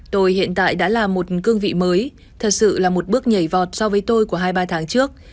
tôi hiện tại đã là một cương vị mới thật sự là một bước nhảy vọt so với tôi của hai mươi ba tháng trước